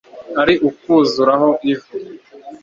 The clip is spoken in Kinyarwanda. Ari ukwuzuraho ivu